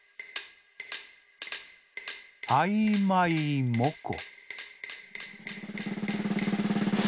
「あいまいもこ」。